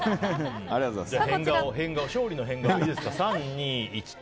勝利の変顔、いいですか。